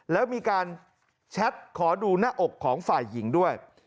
แล้วมีการแชทขอดูหน้าอกของฝ่ายหญิงด้วย